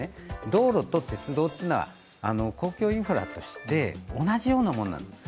道路と鉄道というのは公共インフラとして同じようなものなんです。